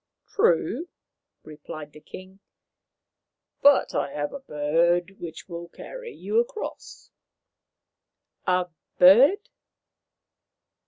" True," replied the king ;" but I have a bird which will carry you across." " A bird